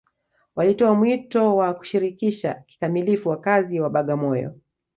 walitoa mwito wa kushirikisha kikamilifu wakazi wa bagamoyo